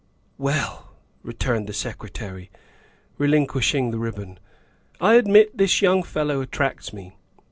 ''' Well," returned the Secretary, relinquishing the ribbon, " I admit this young fellow attracts me.